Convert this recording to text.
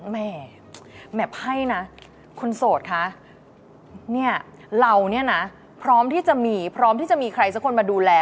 แหมไพ่นะคุณโสดคะเนี่ยเราเนี่ยนะพร้อมที่จะมีพร้อมที่จะมีใครสักคนมาดูแล